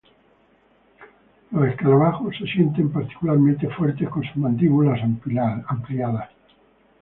Los escarabajos se siente particularmente fuertes con sus mandíbulas ampliadas.